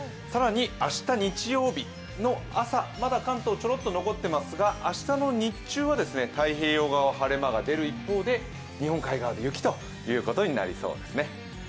更に明日日曜日の朝まだ関東ちょろっと残っていますが明日の日中は太平洋側は晴れ間が出る一方で日本海側で雪ということになりそうですね。